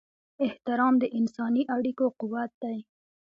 احترام د انساني اړیکو قوت دی.